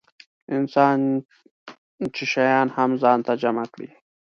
انسان چې شیان هم ځان ته جمع کړي.